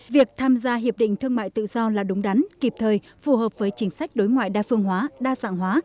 việc tham gia hiệp định thương mại tự do là đúng đắn kịp thời phù hợp với chính sách đối ngoại đa phương hóa đa dạng hóa